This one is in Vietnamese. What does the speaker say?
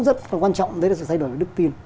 rất là quan trọng đấy là sự thay đổi đức tin